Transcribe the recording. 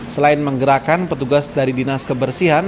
selain menggerakkan petugas dari dinas kebersihan